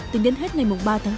từ đến hết ngày ba tháng ba